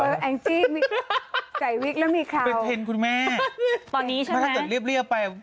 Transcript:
แองจี้ใส่วิกแล้วมีข่าวเป็นเทรนด์คุณแม่ตอนนี้ใช่ไหมถ้าเกิดเรียบไป